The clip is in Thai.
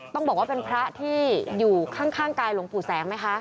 ต้องบอกว่าเป็นพระที่อยู่ข้างกายหลวงปู่แสงไหมคะ